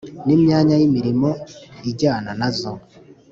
ni myanya y’imirimo ijyana na zo,